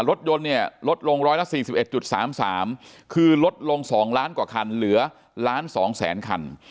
รถยนต์ลดลงร้อยละ๔๑๓๓คือลดลง๒ล้านกว่าคันเหลือ๑๒๐๐๐๐๐คัน